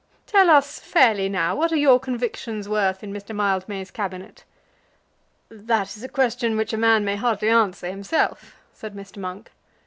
Tell us fairly, now, what are your convictions worth in Mr. Mildmay's Cabinet?" "That is a question which a man may hardly answer himself," said Mr. Monk.